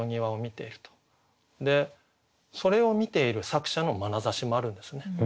でそれを観ている作者のまなざしもあるんですね。